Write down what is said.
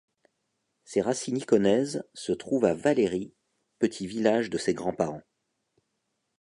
Ses racines icaunaises se trouvent à Vallery, petit village de ses grands-parents.